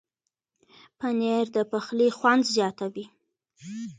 پنېر د پخلي خوند زیاتوي.